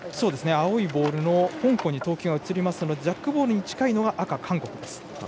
青いボールの香港に投球が移りますのでジャックボールに近いのは赤の韓国。